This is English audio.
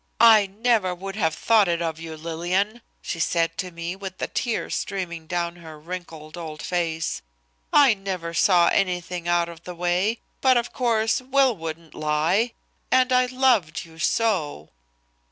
"'I never would have thought it of you, Lillian,' she said to me with the tears streaming down her wrinkled, old face. 'I never saw anything out of the way, but of course Will wouldn't lie. And I loved you so.'